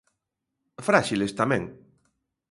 Fráxiles tamén.